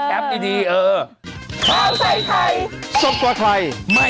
โปรดติดตามตอนต่อไป